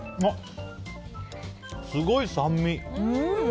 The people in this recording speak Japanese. すごい酸味。